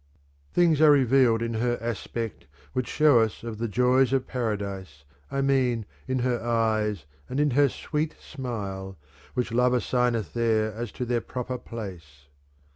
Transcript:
, Things are revealed in her aspect which show us of the joys of Paradise, I mean in her eyes and in her sweet smile, which love assigneth there as to their proper place.